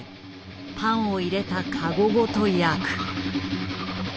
パンを入れた籠ごと焼く。